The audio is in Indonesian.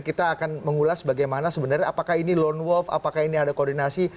kita akan mengulas bagaimana sebenarnya apakah ini lone wolf apakah ini ada koordinasi